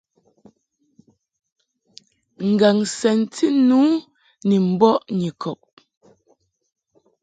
Ngaŋ sɛnti nu ni mbɔʼ Nyikɔb.